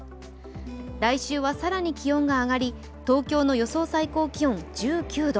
来週は更に気温が上がり、東京の予想最高気温１９度。